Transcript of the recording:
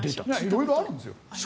色々あるんですよ。